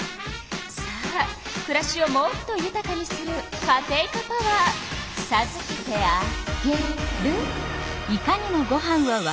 さあくらしをもっとゆたかにするカテイカパワーさずけてあげる。